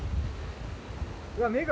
うわっ、目が！